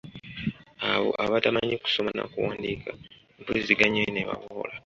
Abo abatamanyi kusoma na kuwandiika empuliziganya eno ebaboola .